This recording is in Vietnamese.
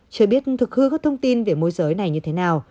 chưa biết thực hư các thông tin về môi giới này như thế nào